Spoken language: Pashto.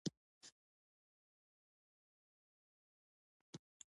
فرګوسن بیا موږ مخاطب کړو او په سلګیو یې وویل.